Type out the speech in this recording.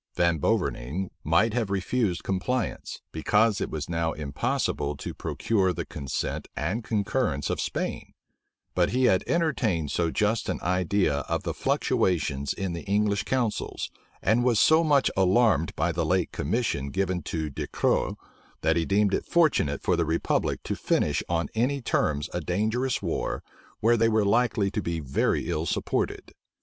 Van Boverning might have refused compliance, because it was now impossible to procure the consent and concurrence of Spain; but he had entertained so just an idea of the fluctuations in the English counsels, and was so much alarmed by the late commission given to Du Cros, that he deemed it fortunate for the republic to finish on any terms a dangerous war, where they were likely to be very ill supported.